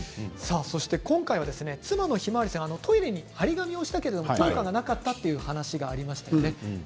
今回、妻のひまわりさんがトイレに貼り紙をしたけど効果がなかったという話もありました。